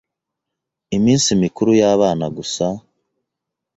iminsi mikuru y'abana gusa,